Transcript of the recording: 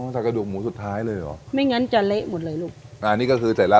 ถ้ากระดูกหมูสุดท้ายเลยเหรอไม่งั้นจะเละหมดเลยลูกอ่านี่ก็คือเสร็จแล้ว